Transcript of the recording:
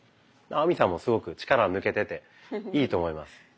亜美さんもすごく力抜けてていいと思います。